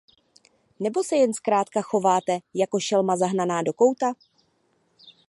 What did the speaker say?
Nebo se jen zkrátka chováte jako šelma zahnaná do kouta?